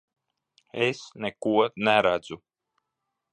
Es neko neredzu!